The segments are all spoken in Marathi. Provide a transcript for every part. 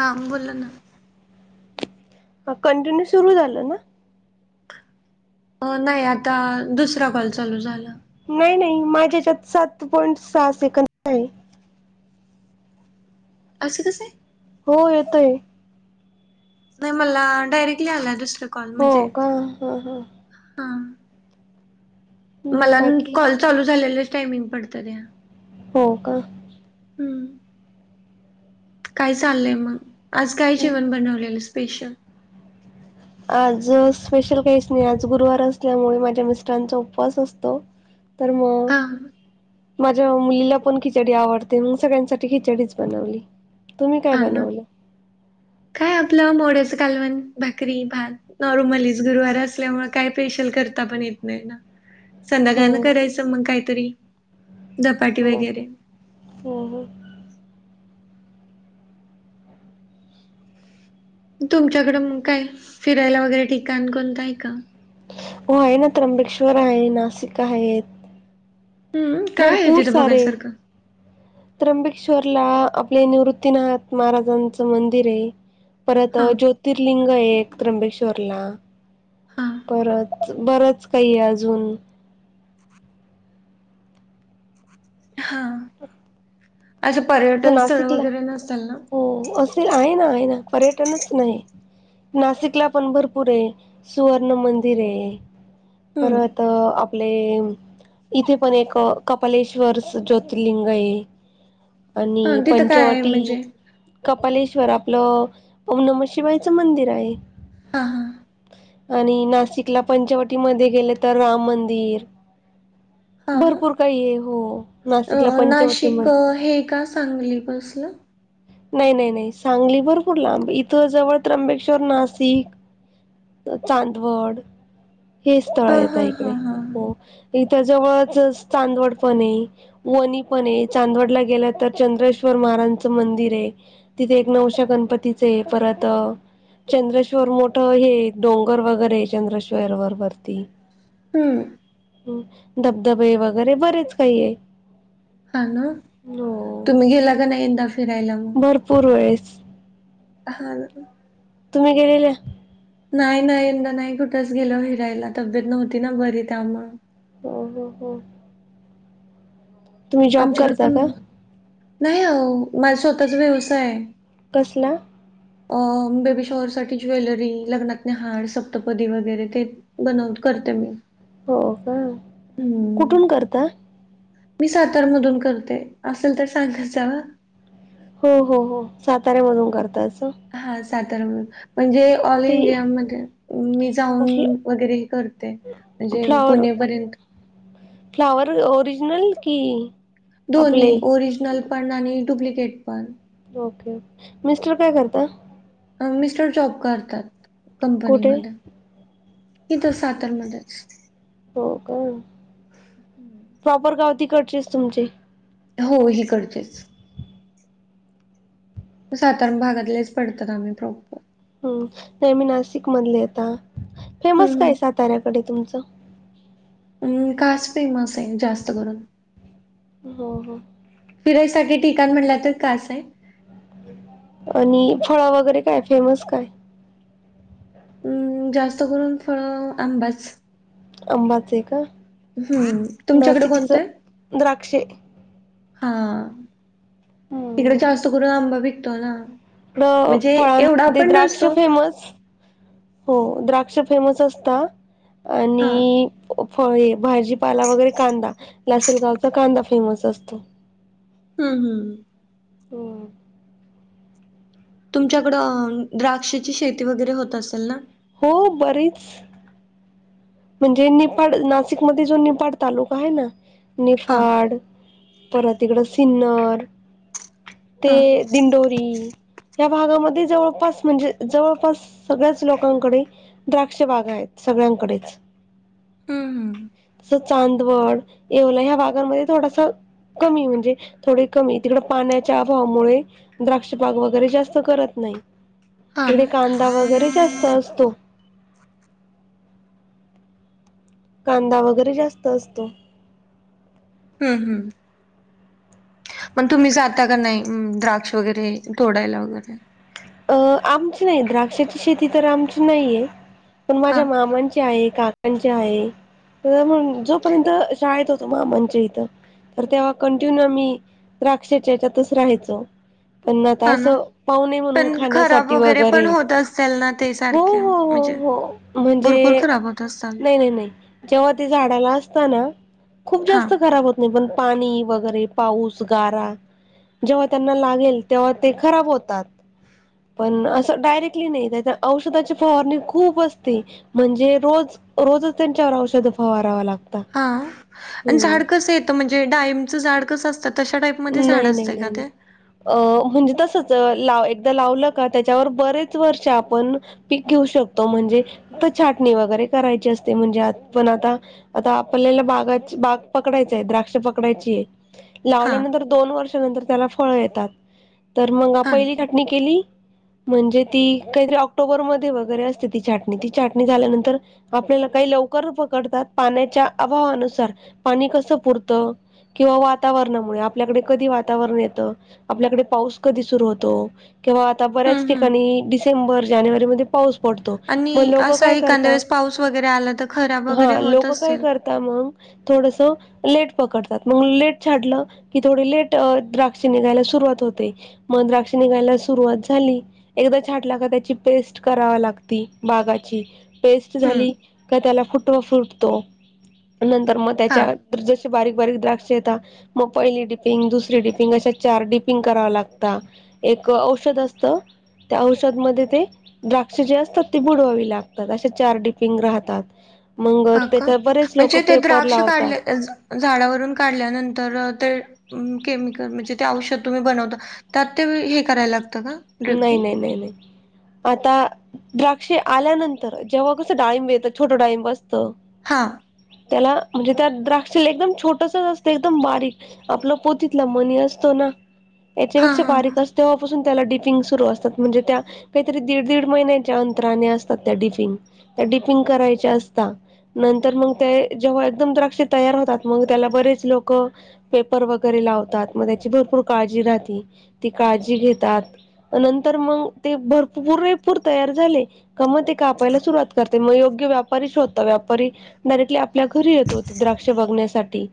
हाम बोल ना. म कंटिन्यू सुरू झालं ना? हो नाही आता दुसरा कॉल चालू झाला. नाही नाही माझ्या हेच्यात सात पॉईंट सहा सेकंद आहे असे कसे हो येतोय. नाही मला डायरेक्टली आला दुसर कॉल म्हणजे हो का हा हा हा. मला न बाकी कॉल चालू झालेले टायमिंग पडत्या त्या. हो का? हम्म. काय चाललंय आहे मग आज काय जेवण बनवलेलं स्पेशल? आज स्पेशल काहीच नाही आज गुरुवार असल्यामुळे माझ्या मिस्टरांचा उपवास असतो. तर मग हा माझ्या मुलीला पण खिचडी आवडते मग सगळ्यांसाठी खिचडीच बनवली. तुम्ही काय हा ना. [inaudible] काय आपलं मोड्याचं कालवण, भाकरी, भात. नॉर्मलीच, गुरुवार असल्यामुळं काय पेशल करतापण येत नाही ना. हो संध्याकाळणं करायचं मग काहीतरी, धपाटे हो वगैरे. हो हो. तुमच्याकडं मग काय फिरायला वगैरे ठिकाण कोणतं हाय का? हो आहे ना त्र्यंबेश्वर आहे, नाशिक आहेत. हम्म, काय आहे तिथं बघायसारखं? [inaudible] त्र्यंबेश्वरला आपले निवृत्तीनाथ महाराजांचं मंदिर हाय. परत हां, ज्योतिर्लिंग आहे एक त्र्यंबेश्वरला. हां, परत बरंच काही अजून हा, असे तसं पर्यटन स्थळ वगैरे नसत्याल ना? ती नाही नाही ना, पर्यटनच नाही. नाशिकलापण भरपूर आहे, सुवर्ण मंदिर आहे. हं, परत तर आपले इथेपण एक कपालेश्वर ज्योतिर्लिंग हे आणि हां तिथं काय आहे पंचवटी म्हणजे? कपालेश्वर आपलं ओम नमशिवायचं मंदिर आहे. हां, हां, आणि नाशिकला पंचवटीमध्ये गेले, तर राम मंदिर. हां. भरपूर काही हाय, हो नाशिकला पंचवटी नाशिक म्हण अ अं, हे का, सांगली? कसलं? नाही नाही नाही सांगली भरपूर लांब, इथं जवळ त्र्यंबेश्वर, नाशिक चांदवड, हे स्थळ हां, येतं हां, इकडे, हां, हां. हो. इथ जवळच चांदवड पण हाय. वो हाय, चांदवडला गेलं तर चंद्रेश्वर महाराजचं मंदिर ते तिथे एक नऊशे गणपतीचे परत चंद्रेश्वर मोठं हे डोंगर वगैरे चंद्रेश्वर वर वरती. हम्म. हम्म, धबधबे वगैरे बरेच काही आहे. हा नं, हो तुम्ही गेला का नाही यंदा फिरायला? मग? भरपूर वेळेस. हां न. तुम्ही गेलेले? नाही नाही यंदा नाही कुठंच गेलो फिरायला, तब्येत नव्हती ना बरी त्यामुळं. हो हो हो. तुम्ही जॉब आमच्याकडे करता पण का? नाही आओ. माझा स्वतःचा व्यवसाय हाय. कसला? अ बेबी शॉवरसाठी ज्वेलरी, लग्नातने हार, सप्तपदी वगैरे ते बनवून करते मी. हो का, हम्म. कुठून करता? मी सातारमधून करते, असल तेच सांगत जावा. हो हो हो, साताऱ्यामधून करता असं? हा सातार मधून, म्हणजे ऑल ते इंडिया मध्ये, मी फ्ल जाऊन वगैरे हे करते. जेम फ्लॉवर पुणेपर्यंत फ्लावर ओरिजनल की आपले दोन्ही, ओरिजनल पण आणि डुप्लिकेट पण. ओके ओके, मिस्टर काय करता? मिस्टर जॉब करतात. कंपनी कुठे? मध्ये, इथं सातरमध्येच. हो का? हं. प्रॉपर गाव तिकडचेच तुमचे. हो हिकडचेच. सातारा भागातलेच पडतात आम्ही प्रॉपर. हम्म. नाही मी नाशिकमधली आहे आता. हं, फेमस हं. काय साताऱ्याकडे तुमचं? हम्म, कास फेमस आहे जास्त करून. हो, हो. फिरायसाठी ठिकाण म्हणलं तर कासं आहे. आणि फळं वगैरे काय, फेमस काय? अं जास्त करून फळ आंबाच. अंबाच आहे का? हम्म. तुमच्याकडं नाशिकच कोणतं आहे? द्राक्षे हा इकडे हम्म जास्त करून आंबा विकतो ना. इकडं म्हणजे एवढा फळांमध्ये पण द्राक्ष नसतो. फेम [unintelligible] हो. द्राक्ष फेमस असतात हां. आणि फळे, भाजीपाला वगैरे कांदा लासलगावचा कांदा फेमस असतो. हम्म, हम्म, हम्म. हम्म. तुमच्याकडं द्राक्षची शेती वगैरे होत असेल ना? हो बरीच म्हणजे निफाड नाशिकमध्ये जो निफाड तालुका आहे ना, हां, निफाड परत तिकडं सिन्नर ते हां. दिंडो [unintelligible] या भागामध्ये जवळपास म्हणजे जवळपास सगळ्याच लोकांकडे द्राक्ष बागा आहेत सगळ्यांकडेच. हम्म, हम्म, हम्म. तसं चांदवड, येवला या भागांमध्ये थोडासा कमी म्हणजे थोडे कमी तिकडं पाण्याच्या अभावामुळे द्राक्षबाग वैगरे जास्त करत नाही. हां तिकडे ना. कांदा वैगरे जास्त असतो. कांदा वगैरे जास्त असतो. हम्म, हम्म. मग तुम्ही जाता का नाही, अ द्राक्ष वगैरे तोडायला वगैरे? अं आमची नाही द्राक्षाची शेती तर आमची नाही आहे, पण माझ्या हां, मामांची आहे काकांची आहे, तर जोपर्यंत शाळेत होतो मामाच्या इथं तर तेव्हा कंटिन्यू आम्ही द्राक्षच्या याच्यातच राहायचो. पण आता हां ना. असं पाहूणे म्हणून पण खराब साठी वगैरे. पण होत असेल ना ते हो, सारखे हो, हो, म्हणजे हो म्हणजे भरपूर खराब होत असताल नाही, नाही, नाही. जेव्हा ते झाडाला असताना खूप हा जास्त खराब होत नाही, पण पाणी वगैरे पाऊस, गारा जेव्हा त्यांना लागेल तेव्हा ते खराब होतात. पण असं डायरेक्टली नाही, तर औषधाची फवारणी खूप असती. म्हणजे रोज रोजच त्यांच्यावर औषध फवारावं लागता. हा आणि झाड कसं येतं म्हणजे डाळींबचं झाड कसं असतात? तशा टाईपमध्ये झाड नाही नाही असतंय का नाही नाही. ते? अ म्हणजे तसंच लाव एकदा लावलं का, त्याच्यावर बरेच वर्ष आपण पीक घेऊ शकतो म्हणजे फक्त छाटणी वगैरे करायची असते म्हणजे पण आता आता आपल्याला बागाची बाग पकडायचा आहे, द्राक्ष पकडायची आहे. हा लावल्यानंतर दोन वर्षानंतर त्याला फळ येतात, तर मग हा पहिली छाटणी केली म्हणजे ती काहीतरी ऑक्टोबरमध्ये वगैरे असते ती छाटणी. ती छाटणी झाल्यानंतर आपल्याला काही लवकर पकडतात पाण्याच्या अभावानुसार. पाणी कसं पुरतं किंवा वातावरणामुळे आप आपल्याकडे कधी वातावरण येतो आपल्याकडे पाऊस कधी सुरू होतो किंवा आता बऱ्याच हम्म हम्म ठिकाणी डिसेंबर जानेवारीमध्ये पाऊस पडतो म आणि लोकं असं काय एखाद्या करता वेळेस पाऊस वगैरे आला तर खराब वगैरे हा होत लोकं काय असेल कर त्या मंग थोडसा लेट पकडतात मग लेट छाडलं कि थोडे लेट द्राक्ष निघायला सुरुवात होते म द्राक्ष निघायला सुरुवात झाली एकदा छाटला का त्याची पेस्ट करावा लागती बागाची पेस्ट हम्म झाली का त्याला फुटवा फुटतो नंतर म हा त्याच्या जसे बारीक बारीक द्राक्ष येतात मो पहिली डिपिंग, दुसरी डिपिंग अशा चार डिपिंग कराव लागत एक औषध असतं. त्या औषधमध्ये ते द्राक्ष जे असतात ते बुडवावी लागतात असे चार डिपिंग राहतात. मंग हा का त्याच्यावर बरेच लोकं म्हणजे ते पेपर द्राक्ष लावतात. काढले झ झाडावरून काढल्यानंतर ते म केमिकल म्हणजे ते औषध तुम्ही बनवता त्यात ते वे हे करायला लागतं का? नाही ड्रिपिंग नाही नाही नाही. आता द्राक्ष आल्यानंतर जेव्हा कसं डाळिंब येतं छोटं डाळिंब असतं हां त्याला म्हणजे त्या द्राक्षला एकदम छोटसच असतं एकदम बारीक आपला पोतीतला मनी असतो ना हा याच्यापेक्षा हा बारीक अस तेव्हापासून त्याला डीप पिंग सुरु असतात म्हणजे त्या काहीतरी दीड दीड महिन्याच्या अंतराने असतात त्या डिफिंग. त्या डिपिंग करायचे असता. नंतर मग ते जेव्हा एकदम द्राक्ष तयार होतात मग त्याला बरेच लोकं पेपर वगैरे लावतात मग त्याची भरपूर काळजी राहती ती काळजी घेतात नंतर मग ते भर पुरेपूर तयार झाले का मग ते कापायला सुरुवात कर ते म योग्य व्यापारीच होता व्यापारी डायरेक्टली आपल्या घरी येतो द्राक्ष बघण्यासाठी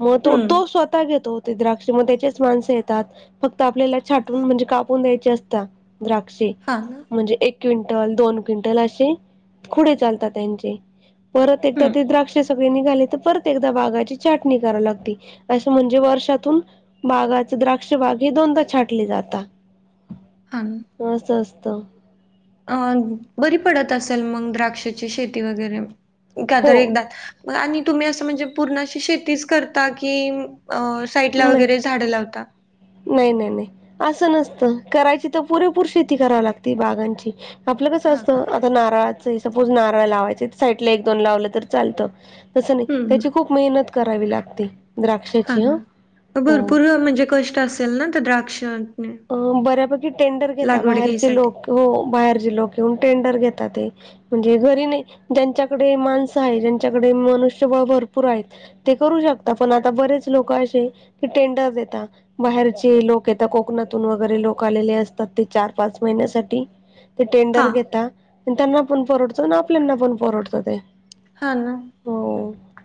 मग तो हम्म. तो स्वतः घेतो ते द्राक्ष मध्ये त्याचेच माणसं येतात फक्त आपल्याला छाटून म्हणजे कापून द्यायचे अस त्या द्राक्षे हा ना. म्हणजे एक क्विंटल, दोन क्विंटल असे खुडे चालतात त्यांचे. परत एकदा हम्म. ते द्राक्ष तवे निघाली तर परत एकदा बागाची छाटणी करा लागती असं म्हणजे वर्षातून बागाचा द्राक्ष बागे दोनदा छाटले जातात. हा न असं असतं अन बरी पडत असेल मग द्राक्षाची शेती वगैरे का तर हो. एकदा म आणि तुम्ही असं म्हणजे पूर्ण अशी शेतीच करता की अ साईडला नाही वगैरे झाडं लावता नाही नाही नाही. असं नसतं करायची तर पुरेपूर शेती करावी लागते बागांची आपलं कसं हा का? तस्तं आता नारळाच सपोज नारळ लावायच साईडला एक दोन लावलं तर चालतं. तसं नाही हम्म. त्याची खूप मेहनत करावी लागते. हा द्राक्षाची ह ना म हो भरपूर म्हणजे कष्ट असेल ना तर द्राक्ष अ बऱ्यापैकी टेंडर घेता लागवड बाहेरचे घ्यायसाठी? लोकं हो बाहेरचे लोकं येऊन टेंडर घेता ते. म्हणजे घरी नाही ज्यांच्याकडे माणसं आहे ज्यांच्याकडे मनुष्यबळ भरपूर आहेत ते करू शकता पण आता बरेच लोकं असे टेंडर्स येतात बाहेरचे लोक येतात को कोकणातून वगैरे लोकं आलेले असतात ते चार-पाच महिन्यासाठी ते हा. टेंडर घेता त्यांना पण परवडतो ना आपल्याना पण परवडतो ते. हा ना. हो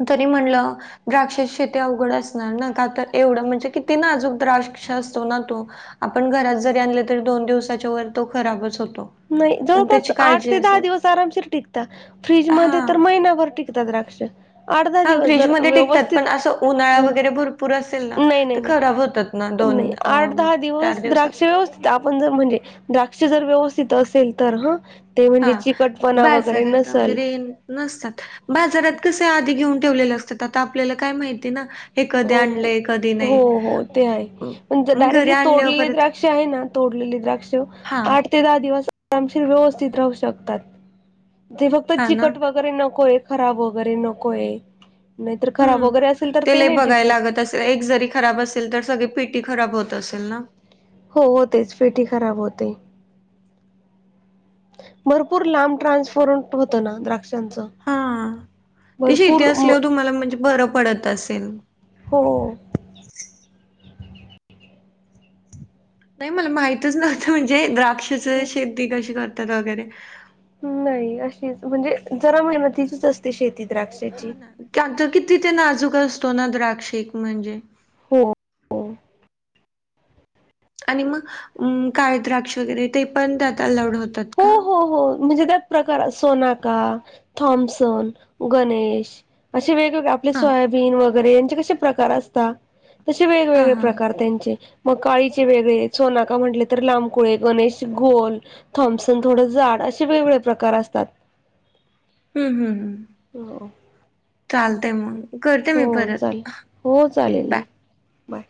तरी म्हणलं द्राक्ष शेती अवघड असणार ना का तर एवढं म्हणजे किती नाजूक द्राक्ष असतो ना तो आपण घरात जरी आणले तरी दोन दिवसाच्या वर तो खराबच होतो नाही पण जवळपास त्याची आठ काळजी ते दहा असेल दिवस आरामशीर टिकता फ्रीज म हा तर महिनाभर टिक किता द्राक्ष आठ दहा हा दिवस जर फ्रीजमध्ये टिकतात व्यवस्थित पण असं उन्हाळा वगैरे हम्म भरपूर असेल ना नाही नाही तर नाही खराब होतात. ना दोन नाही अ आठ दहा चार दिवस द्राक्ष दिवसात व्यवस्थित आपण जर म्हणजे द्राक्ष जर व्यवस्थित असेल तर ह ते म्हणजे हा चिकटपणा वगैरे बाजारात नसेल वगैरे नसतात बाजारात कसे आधी घेऊन ठेवलेले असतात आता आपल्याला काय माहितीय ना. हे कधी हो आणलंय का हो हो ते आहे म्हणजे मग घरी डायरेक्टली आणल्यावर तोडलेली परत द्राक्ष आहेत ना तोडलेली द्राक्ष हा आठ ते दहा दिवस आरामशीर व्यवस्थित राहू शकतात ते फक्त हा ना चिकट वगैरे नकोयेत खराब वगैरे नकोय नाहीतर खराब हम्म वगैरे असेल तर ते ते लय नाही बघायला टिकत लागत असेल एक जरी खराब असेल तर सगळी पीटी खराब होत असेल ना हो होतेच पेटी खराब होते भरपूर लांब ट्रान्सफॉरट होत ना द्राक्षांचं हा ते शेती भरपूर म असल्यावर तुम्हाला म्हणजे बरं पडत असेल हो.. नाही मला माहितच नव्हतं म्हणजे द्राक्षाच शेती कशी करतात वगैरे नाही अशीच म्हणजे जरा मेहनतीचीच असते शेती द्राक्षाची त्यांच ते किती ते नाजूक असतो ना द्राक्षक म्हणजे हो आणि मग काळ द्राक्ष वगैरे ते पण त्यात अलाउड होतात हो का हो हो म्हणजे त्या प्रकार सोनाका, थॉम्सन गणेश असे वेगवेगळे आपले हा सोयाबीन वगैरे यांचे कसे प्रकार असतात तसे हा वेगवेगळे हा प्रकार हम्म त्यांचे मग काळीचे वेगळे सोनाका म्हटले तर लांबकुळे गणेश घोल थॉम्पसन थोडं जाड असे वेगवेगळे प्रकार असतात. हम्म हम्म हम् चालतय मग करते मी हो परत चालेल हो चालेल बाय बाय.